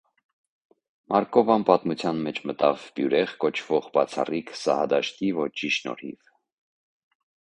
Մարկովան պատմության մեջ մտավ «բյուրեղ» կոչվող բացառիկ սահադաշտի ոճի շնորհիվ։